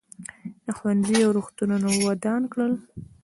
ده ښوونځي او روغتونونه ودان کړل.